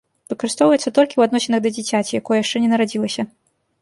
Выкарыстоўваецца толькі ў адносінах да дзіцяці, якое яшчэ не нарадзілася.